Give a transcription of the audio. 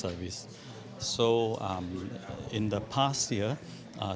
jadi di tahun yang lalu